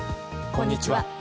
こんにちは。